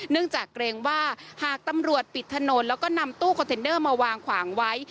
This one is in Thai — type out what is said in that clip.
จากเกรงว่าหากตำรวจปิดถนนแล้วก็นำตู้คอนเทนเนอร์มาวางขวางไว้